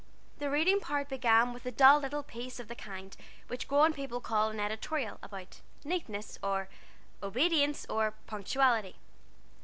The reading part began with a dull little piece of the kind which grown people call an editorial, about "Neatness," or "Obedience," or "Punctuality."